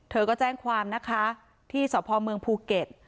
เธอก็แจ้งความนะคะที่สพเมืองภูเก็ต